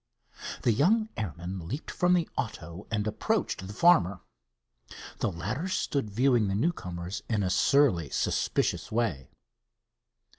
The young airman leaped from the auto and approached the farmer. The latter stood viewing the newcomers in a surly, suspicious way.